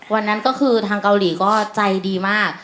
วันนั้นก็คือทางเกาหลีก็ใจดีมาก